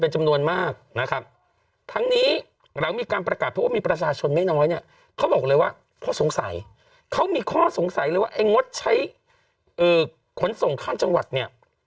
หรือว่าไอ้งดใช้ขนส่งข้ามจังหวัดเนี่ย